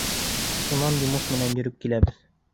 Шунан йомош менән йөрөп киләбеҙ.